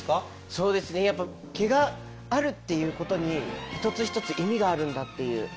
そうですねやっぱ毛があるっていうことに一つ一つ意味があるんだっていう。